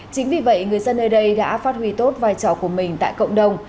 chính vì vậy người dân nơi đây đã phát huy tốt vai trò của mình tại cộng đồng